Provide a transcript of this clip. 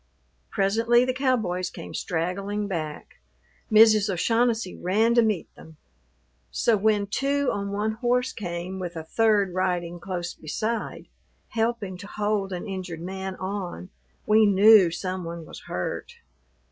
Presently the cowboys came straggling back. Mrs. O'Shaughnessy ran to meet them. So when two on one horse came with a third riding close beside, helping to hold an injured man on, we knew some one was hurt.